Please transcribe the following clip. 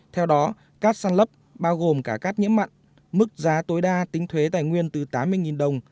theo đó cát săn lấp bao gồm cả cát nhiễm mặn mức giá tối đa tính thuế tài nguyên từ tám mươi đồng